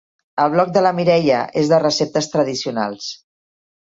El blog de la Mireia és de receptes tradicionals